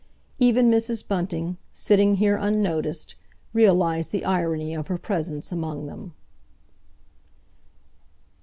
Even Mrs. Bunting, sitting here unnoticed, realised the irony of her presence among them.